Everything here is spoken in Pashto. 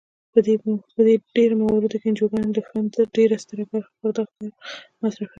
په ډیری مواردو کې انجوګانې د فنډ ډیره ستره برخه پر دغه کار مصرفوي.